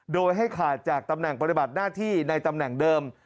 โดยให้ขาดจากตำแหน่งปฏิบัติหน้าที่ในตำแหน่งเดิม